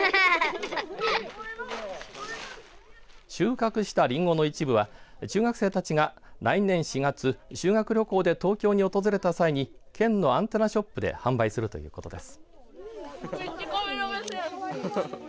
収穫したりんごの一部は中学生たちが来年４月修学旅行で東京に訪れた際に県のアンテナショップで販売するということです。